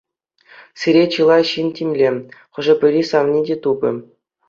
Сире чылай ҫын тимлӗ, хӑшӗ-пӗри савни те тупӗ.